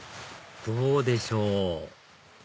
どうでしょう？